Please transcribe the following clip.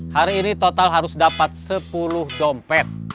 hari ini total harus dapat sepuluh dompet